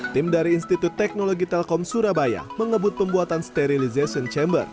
tim dari institut teknologi telkom surabaya mengebut pembuatan sterilization chamber